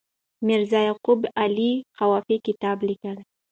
میرزا یعقوب علي خوافي کتاب لیکي.